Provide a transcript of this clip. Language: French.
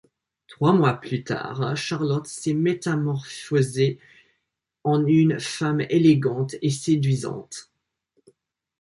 Trois mois plus tard, Charlotte s’est métamorphosée en une femme élégante et séduisante.